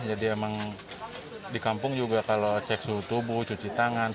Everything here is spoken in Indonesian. jadi emang di kampung juga kalau cek suhu tubuh cuci tangan